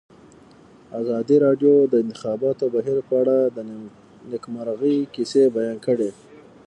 ازادي راډیو د د انتخاباتو بهیر په اړه د نېکمرغۍ کیسې بیان کړې.